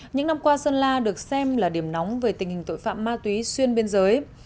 những năm qua sơn la được xem là điểm nóng về tình hình tội phạm ma túy xuyên biên giới